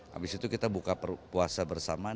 habis itu kita buka puasa bersama